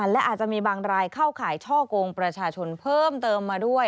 และอาจจะมีบางรายเข้าข่ายช่อกงประชาชนเพิ่มเติมมาด้วย